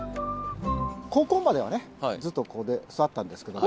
高校まではねずっとここで育ったんですけど。